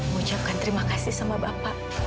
mengucapkan terima kasih sama bapak